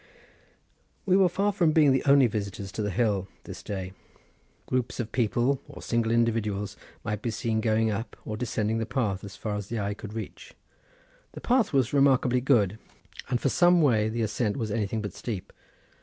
We were far from being the only visitors to the hill this day; groups of people, or single individuals, might be seen going up or descending the path as far as the eye could reach. The path was remarkably good, and for some way the ascent was anything but steep.